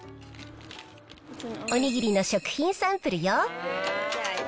おにぎりの食品サンプルよ。